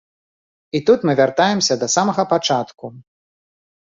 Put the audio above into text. І тут мы вяртаемся да самага пачатку.